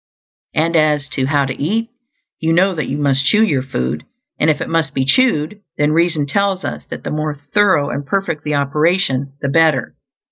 And as to how to eat, you know that you must chew your food; and if it must be chewed, then reason tells us that the more thorough and perfect the operation the better.